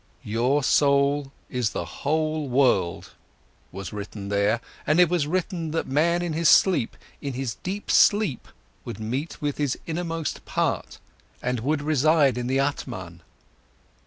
"Your soul is the whole world", was written there, and it was written that man in his sleep, in his deep sleep, would meet with his innermost part and would reside in the Atman.